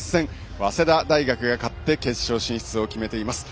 早稲田大学が勝って決勝進出を決めています。